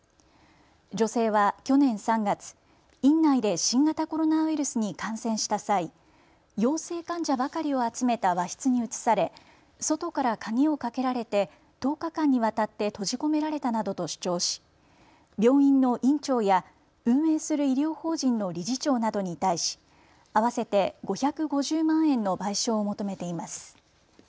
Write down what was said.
女性は去年３月、院内で新型コロナウイルスに感染した際、陽性患者ばかりを集めた和室に移され、外から鍵をかけられて１０日間にわたって閉じ込められたなどと主張し病院の院長や運営する医療法人の理事長などに対し合わせて５５０万円の賠償を求めています。